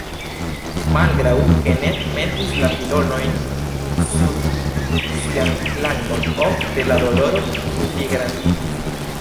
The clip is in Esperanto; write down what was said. Malgraŭ ke Ned metis la pilolojn sub sian langon ofte, la doloro pligrandiĝis.